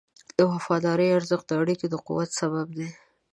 د وفادارۍ ارزښت د اړیکو د قوت سبب دی.